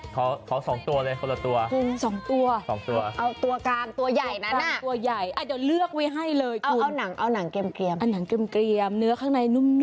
ขอ๒ตัวเลยคนละตัวเอาตัวกลางตัวใหญ่นะตัวใหญ่เอาหนังเกรียมเนื้อข้างในนุ่ม